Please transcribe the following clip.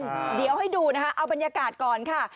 เพราะฉะนั้นเดี๋ยวให้ดูนะคะเอาบรรยากาศก่อนค่ะ